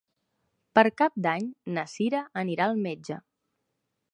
Per Cap d'Any na Cira anirà al metge.